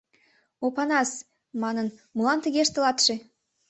— Опанас, — манын, — молан тыге ыштылатше?